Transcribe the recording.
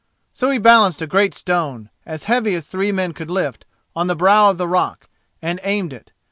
So he balanced a great stone, as heavy as three men could lift, on the brow of the rock, and aimed it.